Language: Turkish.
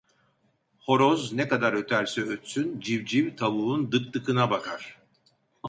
Horoz ne kadar öterse ötsün, civciv tavuğun dıkdıkına bakar.